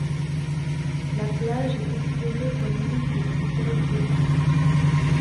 La plage est considérée comme l'une des plus belles de l'île.